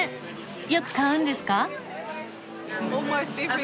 よく買うんですか？